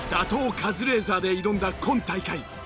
カズレーザーで挑んだ今大会。